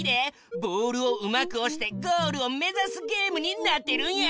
ボールをうまくおしてゴールをめざすゲームになってるんや。